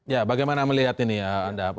ya bagaimana melihat ini ya anda